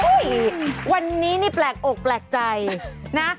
วันนี้นี่แปลกอกแปลกใจนะ